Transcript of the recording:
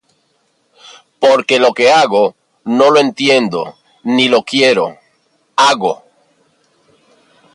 Porque lo que hago, no lo entiendo; ni lo que quiero, hago;